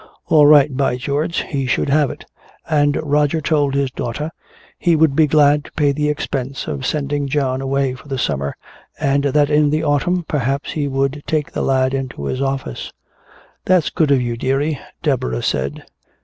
All right, by George, he should have it! And Roger told his daughter he would be glad to pay the expense of sending John away for the summer, and that in the autumn perhaps he would take the lad into his office. "That's good of you, dearie," Deborah said.